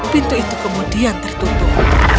pintu itu kemudian tertutup